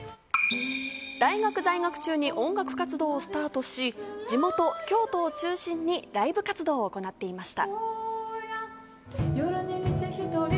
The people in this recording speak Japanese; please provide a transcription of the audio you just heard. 大学在学中に音楽活動をスタートし、地元の京都を中心にライブ活動を行っていました。